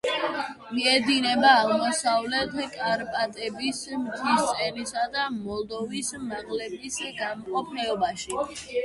მიედინება აღმოსავლეთ კარპატების მთისწინეთისა და მოლდოვის მაღლობის გამყოფ ხეობაში.